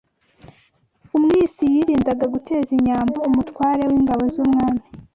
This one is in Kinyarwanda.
Umwisi yirindaga guteza inyambo umutware w’Ingabo z’Umwami